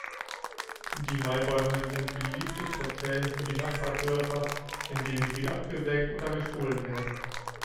Die Maibäume sind beliebte Trophäen für die Nachbardörfer, indem sie abgesägt oder gestohlen werden.